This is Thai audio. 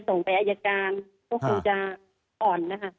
ส่งไปอายการก็คงจะอ่อนนะคะ